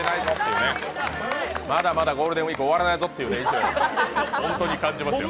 まだまだゴールデンウイーク終わらないぞと感じました。